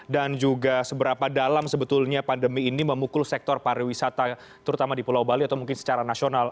dan juga seberapa dalam sebetulnya pandemi ini memukul sektor pariwisata terutama di pulau bali atau mungkin secara nasional